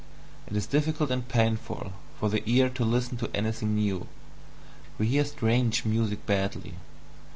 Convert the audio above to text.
It is difficult and painful for the ear to listen to anything new; we hear strange music badly.